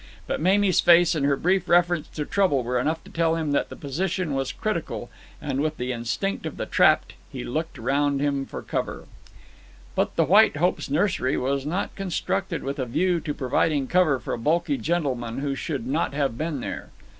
But Mamie's face and her brief reference to trouble were enough to tell him that the position was critical, and with the instinct of the trapped he looked round him for cover. But the White Hope's nursery was not constructed with a view to providing cover for bulky gentlemen who should not have been there.